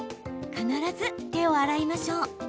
必ず手を洗いましょう。